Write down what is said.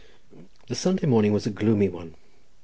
The Sunday morning was a gloomy one.